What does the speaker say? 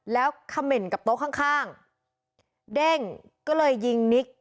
แล้วเขม่นกับโต๊ะข้างข้างเด้งก็เลยยิงนิก